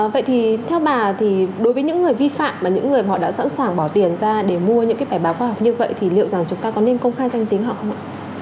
vậy thì theo bà thì đối với những người vi phạm mà những người họ đã sẵn sàng bỏ tiền ra để mua những cái bài báo khoa học như vậy thì liệu rằng chúng ta có nên công khai danh tính họ không ạ